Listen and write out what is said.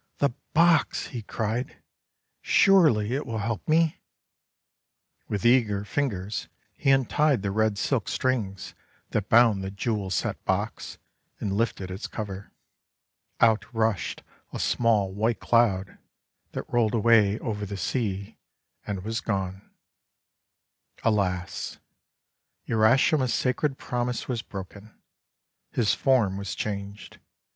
the box!" he cried. "Surely it will help me!': With eager fingers he untied the red silk strings that bound the jewel set box, and lifted its cover. Out rushed a small white cloud, that rolled away over the sea and was gone. Alas! Urashima's sacred promise was broken! His form was changed.